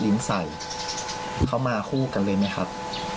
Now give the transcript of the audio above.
ผู้หญิงเล็บยาวแลบลิ้นใส่เขามาคู่กันเลยไหมครับ